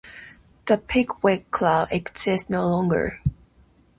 The Pickwick Club exists no longer.